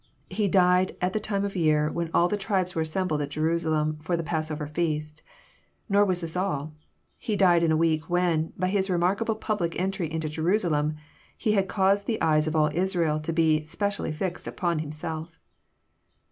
He died at the time of year when all the tribes were assembled at Jerusalem for the pass over feast. Nor was this all. He died in a week when, by His remarkable public entry into Jerusalem, He had caused the eyes of all Israel to be specially fixed upon Himself.